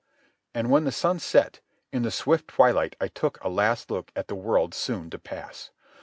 And when the sun set, in the swift twilight I took a last look at the world so soon to pass.